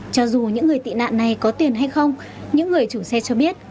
cho dù những người tị nạn này có tiền hay không những người chủ xe cho biết